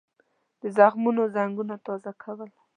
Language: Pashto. د زخمونو زنګونه تازه کول.